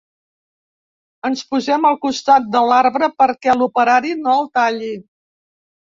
Ens posem al costat de l’arbre perquè l’operari no el talli.